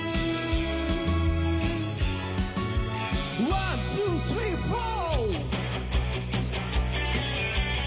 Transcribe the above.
ワンツースリーフォー！